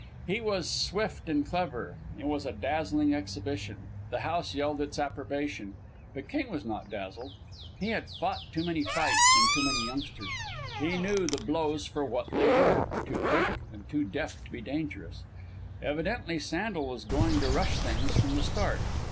He was swift and clever. It was a dazzling exhibition. The house yelled its approbation. But King was not dazzled. He had fought too many fights and too many youngsters. He knew the blows for what they were too quick and too deft to be dangerous. Evidently Sandel was going to rush things from the start.